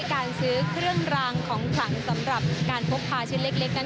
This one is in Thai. การซื้อเครื่องรางของขลังสำหรับการพกพาชิ้นเล็กนั้น